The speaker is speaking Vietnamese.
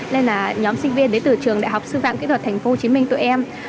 nên là nhóm sinh viên đến từ trường đại học sư phạm kỹ thuật tp hcm tụi em